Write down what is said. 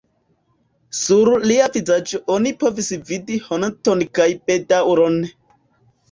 Sur lia vizaĝo oni povis vidi honton kaj bedaŭron.